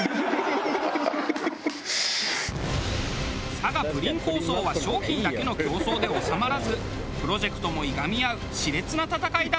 佐賀プリン抗争は商品だけの競争で収まらずプロジェクトもいがみ合う熾烈な戦いだと判明。